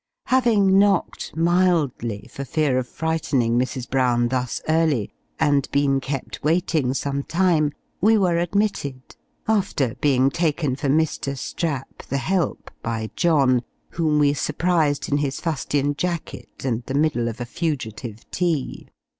Having knocked mildly, for fear of frightening Mrs. Brown thus early, and been kept waiting some time, we were admitted; after being taken for Mr. Strap, the help, by John, whom we surprised in his fustian jacket and the middle of a fugitive tea.